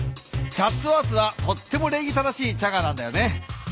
チャッツワースはとってもれいぎ正しいチャガーなんだよね。